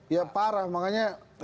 ya parah makanya